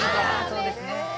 そうですね。